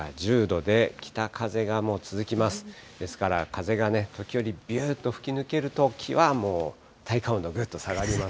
ですから風がね、時折びゅーっと吹き抜けるときは、もう体感温度ぐっと下がります。